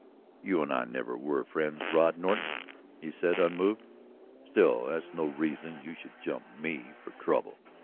"You and I never were friends, Rod Norton," he said, unmoved. "Still that's no reason you should jump me for trouble.